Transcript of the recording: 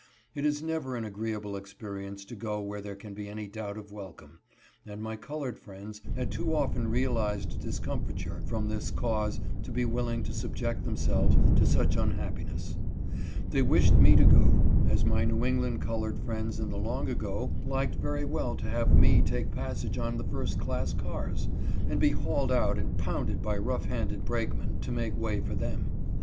It is never an agreeable experience to go where there can be any doubt of wel come, and my colored friends had too often realized dis comfiture from this cause to be willing to subject them selves to such unhappiness ; they wished me to go, as my New England colored friends in the long ago liked very well to have me take passage on the first class cars, and be hauled out and pounded by rough handed brakemen, to make way Tor them.